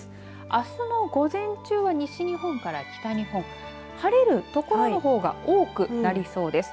あすの午前中は西日本から北日本晴れる所のほうが多くなりそうです。